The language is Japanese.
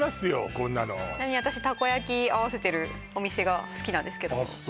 こんなのちなみに私たこ焼き合わせてるお店が好きなんですけどあっ